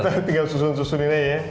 kita tinggal susun susunin aja ya